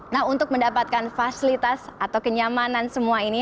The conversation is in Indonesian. nah untuk mendapatkan fasilitas atau kenyamanan semua ini